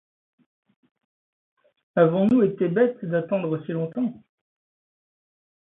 Avons-nous été bêtes d'attendre si longtemps!